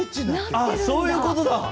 あっそういうことだ！